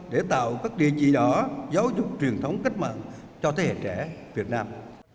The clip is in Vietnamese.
để tạo các địa chỉ đó giáo dục truyền thống cách mạng cho thế hệ trẻ việt nam